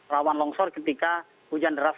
rawan longsor ketika hujan deras